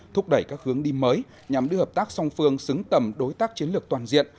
thúc đẩy các hướng đi mới nhằm đưa hợp tác song phương xứng tầm đối tác chiến lược toàn diện